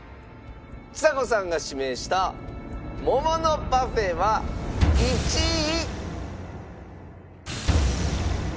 ちさ子さんが指名した桃のパフェは１位。